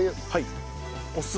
お酢。